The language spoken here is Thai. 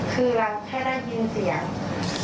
คือแค่ได้ยินเสียง